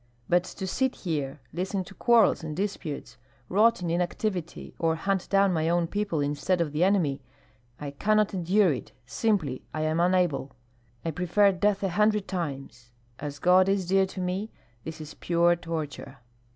But to sit here, listen to quarrels and disputes, rot in inactivity, or hunt down my own people instead of the enemy, I cannot endure it, simply I am unable. I prefer death a hundred times. As God is dear to me, this is pure torture!"